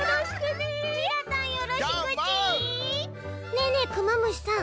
ねえねえクマムシさん